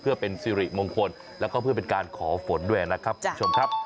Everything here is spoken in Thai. เพื่อเป็นสิริมงคลแล้วก็เพื่อเป็นการขอฝนด้วยนะครับคุณผู้ชมครับ